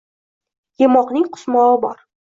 Yemoqni qusmog'i bor.